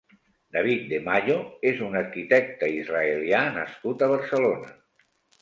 David De Mayo és un arquitecte israelià nascut a Barcelona.